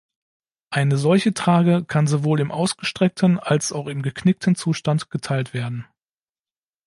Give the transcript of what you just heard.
Eine solche Trage kann sowohl im ausgestreckten als auch im geknickten Zustand geteilt werden.